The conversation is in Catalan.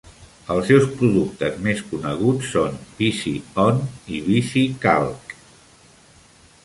Els seus productes més coneguts són Visi On i VisiCalc.